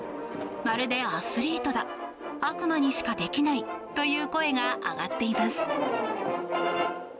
「まるでアスリートだ」「悪魔にしかできない」という声が上がっています。